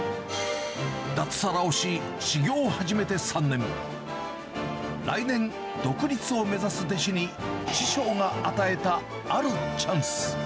脱サラをし、修業を始めて３年、来年、独立を目指す弟子に、師匠が与えた、あるチャンス。